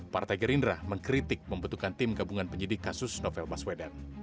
partai gerindra mengkritik membutuhkan tim gabungan penyidik kasus novel baswedan